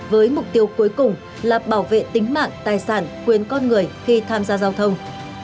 với mục tiêu cuối cùng là bảo vệ tính mạng tài sản quyền con người khi tham gia giao thông